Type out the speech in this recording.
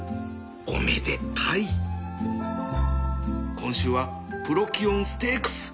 今週はプロキオンステークス